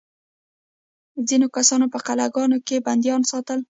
ځینو کسانو په قلعه ګانو کې بندیان ساتل.